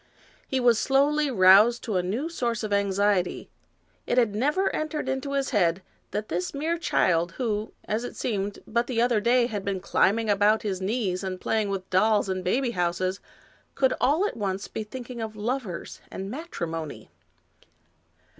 He was slowly roused to a new source of anxiety. It had never entered into his head that this mere child, who, as it seemed, but the other day had been climbing about his knees and playing with dolls and baby houses, could all at once be thinking of lovers and matrimony.